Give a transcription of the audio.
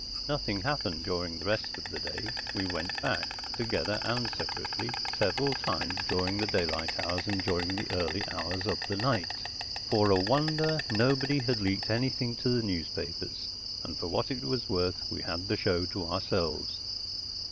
Nothing happened during the rest of the day. We went back, together and separately, several times during the daylight hours and during the early hours of the night. For a wonder, nobody had leaked anything to the newspapers, and for what it was worth, we had the show to ourselves.